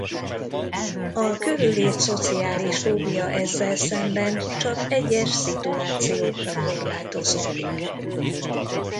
A körülírt szociális fóbia ezzel szemben csak egyes szituációkra korlátozódik.